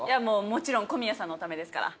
もちろん小宮さんのためですから。